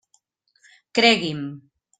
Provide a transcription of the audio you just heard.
Cregui'm.